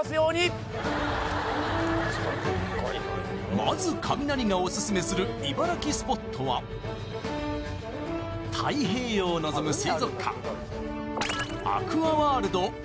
まずカミナリがオススメする茨城スポットは太平洋を望む水族館